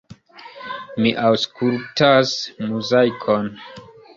Mi aŭskultas Muzaikon.